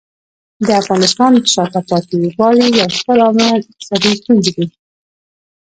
د افغانستان د شاته پاتې والي یو ستر عامل اقتصادي ستونزې دي.